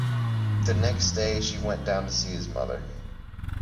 The next day she went down to see his mother.